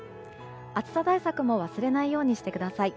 暑さ対策も忘れないようにしてください。